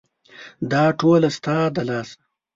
دا ټوله ستا د لاسه !